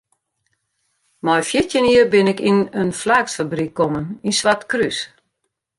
Mei fjirtjin jier bin ik yn in flaaksfabryk kommen yn Swartkrús.